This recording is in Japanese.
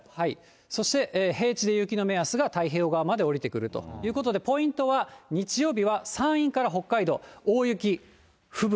そして平地で雪の目安が太平洋側まで下りてくるということでポイントは日曜日は山陰から北海道、大雪、吹雪。